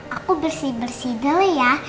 aku bersih bersih dulu ya